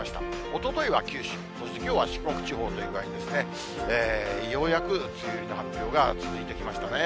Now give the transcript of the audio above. おとといは九州、そしてきょうは四国地方という具合にですね、ようやく梅雨入りの発表が続いてきましたね。